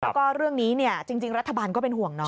แล้วก็เรื่องนี้จริงรัฐบาลก็เป็นห่วงเนาะ